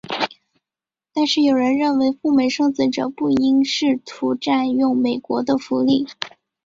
但是有人认为赴美生子者不应试图占用美国的福利。